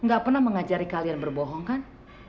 gak pernah mengajari kalian berbohong kan